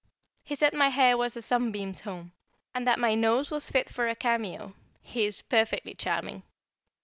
He said my hair was a sunbeam's home, and that my nose was fit for a cameo; he is perfectly charming.